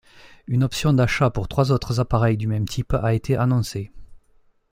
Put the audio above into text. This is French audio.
Une option d'achat pour trois autres appareils du même type a été annoncée.